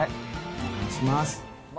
お願いします。